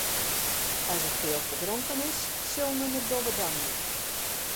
As it keal ferdronken is, sil men de dobbe damje.